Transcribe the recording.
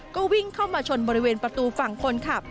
ก็วิ่งเข้ามาชนบริเวณประตูฝั่งคนขับ